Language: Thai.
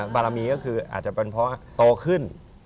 บารมีก็คืออาจจะเป็นเพราะโตขึ้น